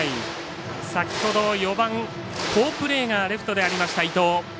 先ほど４番好プレーがレフトでありました、伊藤。